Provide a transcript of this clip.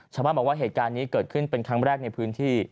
ชาวบ้านบอกว่าเหตุการณ์นี้เกิดขึ้นเป็นครั้งแรกในพื้นที่